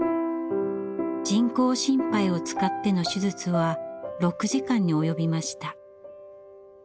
人工心肺を使っての手術は６時間に及びました。